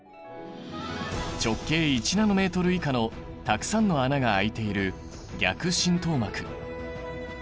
直径１ナノメートル以下のたくさんの穴が開いている逆浸透膜。